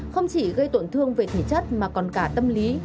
không chỉ gây tổn thương về thể chất mà còn cả tâm lý